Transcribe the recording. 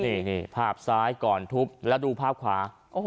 นี่ภาพซ้ายก่อนทุบแล้วดูภาพขวา